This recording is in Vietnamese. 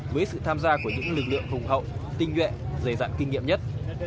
với sự tham gia của những lực lượng hùng hậu tinh nhuệ dày dạng kinh nghiệm nhất